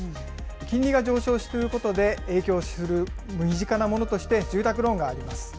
金利が上昇したということで、影響する身近なものとして住宅ローンがあります。